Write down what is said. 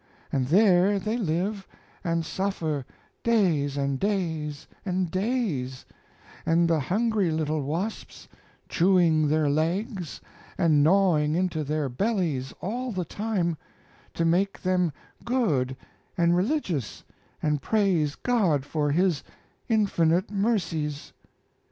and there they live and suffer days and days and days, and the hungry little wasps chewing their legs and gnawing into their bellies all the time, to make them good and religious and praise God for His infinite mercies.